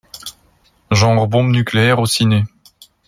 Genre bombe nucléaire au ciné.